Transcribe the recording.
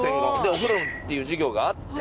「お風呂」っていう授業があって。